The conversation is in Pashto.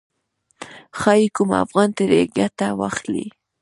ښايي کوم افغان ترې ګټه واخلي.